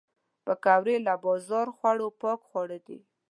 پکورې له بازار خوړو پاک خواړه دي